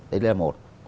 đấy là một